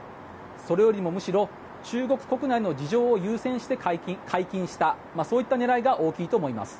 それよりもむしろ、中国国内の事情を考慮して解禁した、そういった狙いが大きいかと思います。